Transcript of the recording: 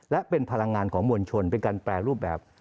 และเป็นพลังงานของมวลชนเป็นการแปรรูปแบบ